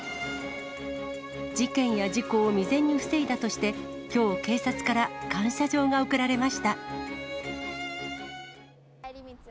事件や事故を未然に防いだとして、きょう、警察から感謝状が贈られました。